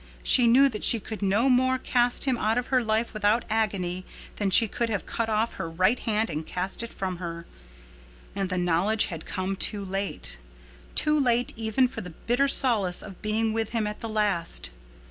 She knew that she could no more cast him out of her life without agony than she could have cut off her right hand and cast it from her. And the knowledge had come too late—too late even for the bitter solace of being with him at the last.